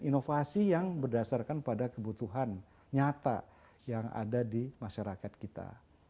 inovasi yang berdasarkan pada kebutuhan nyata yang ada di masyarakat kita